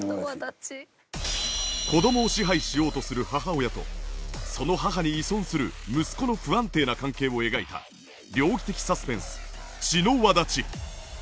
子供を支配しようとする母親とその母に依存する息子の不安定な関係を描いた猟奇的サスペンス『血の轍』。